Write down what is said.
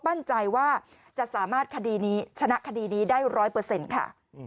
มั่นใจว่าจะสามารถคดีนี้ชนะคดีนี้ได้๑๐๐ค่ะ